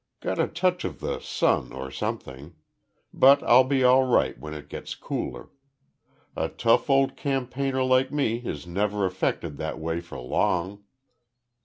Got a touch of the sun, or something. But I'll be all right when it gets cooler. A tough old campaigner like me is never affected that way for long."